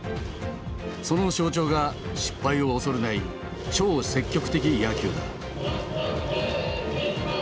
その象徴が失敗を恐れない「超積極的野球」だ。